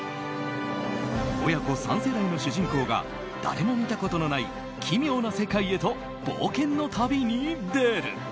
親子３世代の主人公が誰も見たことのない奇妙な世界へと冒険の旅に出る。